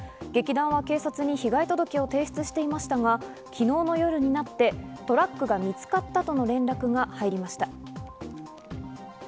劇団は警察に被害届を提出していましたが、昨日の夜になって、トラックが見つかったとの連絡が入りました。